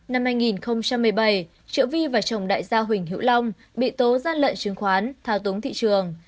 năm hai nghìn một mươi bảy triệu vi và chồng đại gia huỳnh hữu long bị tố gian lận chứng khoán thao túng thị trường